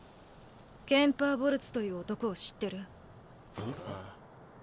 ケンパー・ボルツという男を知ってる？